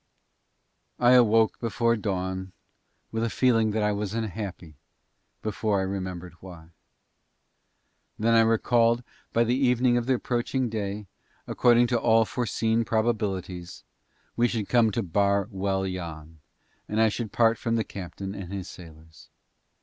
I awoke before dawn with a feeling that I was unhappy before I remembered why. Then I recalled that by the evening of the approaching day, according to all forseen probabilities, we should come to Bar Wul Yann, and I should part from the captain and his sailors.